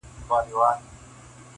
چي بدل سي په ټولنه کي کسبونه -